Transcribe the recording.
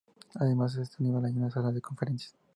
Además, en este nivel hay una sala de conferencias.